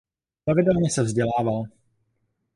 Pravidelně se vzdělával.